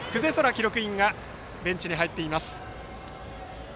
記録員がベンチに入っています。